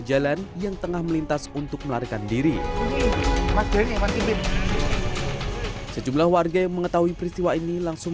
jalan yang tengah melintas untuk melarikan diri materi sejumlah warga yang mengetahui peristiwa ini langsung